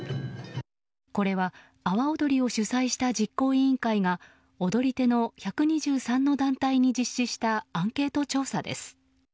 これは阿波おどりを主催した実行委員会が踊り手の１２３の団体に実施したアンケート調査です。